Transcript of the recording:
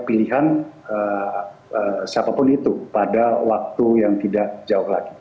pilihan siapapun itu pada waktu yang tidak jauh lagi